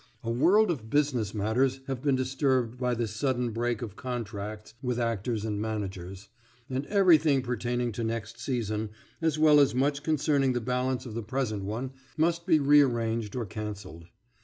A world of business matters have been disturbed by this sudden break of contracts with actors and managers, and everything pertaining to next season, as well as much concerning the balance of the present one, must be rearranged or cancelled.